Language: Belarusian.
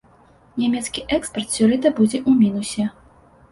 Нямецкі экспарт сёлета будзе ў мінусе.